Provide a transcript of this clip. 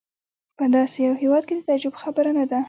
په داسې یو هېواد کې د تعجب خبره نه ده.